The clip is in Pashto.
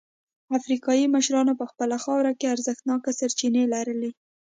افریقايي مشرانو په خپله خاوره کې ارزښتناکې سرچینې لرلې.